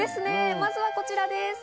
まずはこちらです。